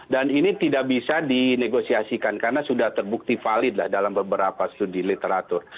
dan ini tidak bisa dinegosiasikan karena sudah terbukti valid dalam beberapa studi literatur